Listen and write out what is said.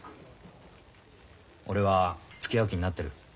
俺はつきあう気になってる。